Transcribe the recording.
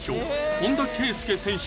本田圭佑選手